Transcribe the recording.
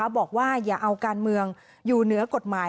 บอกว่าอย่าเอาการเมืองอยู่เหนือกฎหมาย